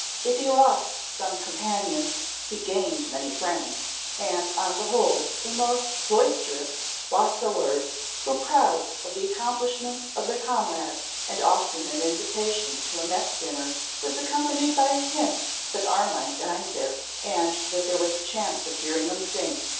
If he lost some companions, he gained many friends; and, on the whole, the most boisterous wassailers were proud of the accomplishments of their comrade; and often an invitation to a mess dinner was accompanied by a hint that Armine dined there, and that there was a chance of hearing him sing.